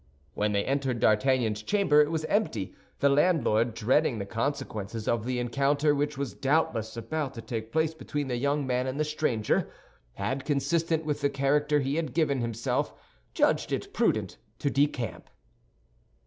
When they entered D'Artagnan's chamber, it was empty; the landlord, dreading the consequences of the encounter which was doubtless about to take place between the young man and the stranger, had, consistent with the character he had given himself, judged it prudent to decamp.